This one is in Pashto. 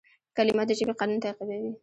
کلیمه د ژبي قانون تعقیبوي.